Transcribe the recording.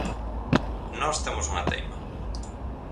Nós temos unha teima.